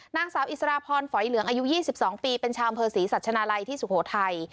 นางสาวอิสรพรฝอยเหลืองอายุ๒๒ปีเป็นชาวอำเภอศรีสัชนาลัยที่สุโขทัย